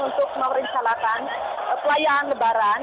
untuk memperinstalakan pelayaan lebaran